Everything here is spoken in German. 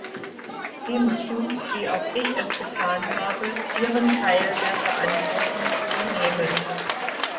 Sie müssen, wie auch ich es getan habe, ihren Teil der Verantwortung übernehmen.